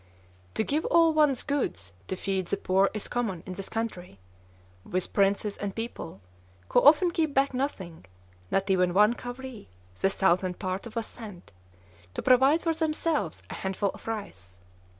"To give all one's goods to feed the poor is common in this country, with princes and people, who often keep back nothing (not even one cowree, the thousandth part of a cent) to provide for themselves a handful of rice.